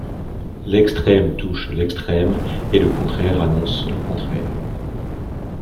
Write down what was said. L’extrême touche l’extrême et le contraire annonce le contraire